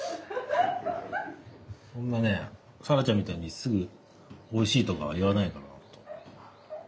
そんなね咲来ちゃんみたいにすぐおいしいとか言わないからほんと。